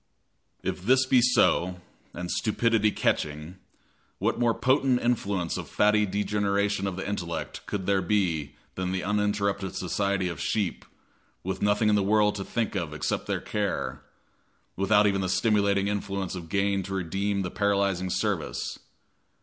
If this be so, and stupidity catching, what more potent influence of fatty degeneration of the intellect could there be than the uninterrupted society of sheep, with nothing in the world to think of except their care without even the stimulating influence of gain to redeem the paralyzing service.